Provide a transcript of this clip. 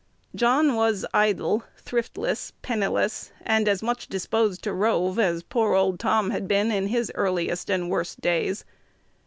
John was idle, thriftless, penniless, and as much disposed to rove as poor old Tom had been in his earliest and worst days.